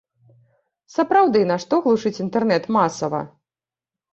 Сапраўды, нашто глушыць інтэрнэт масава?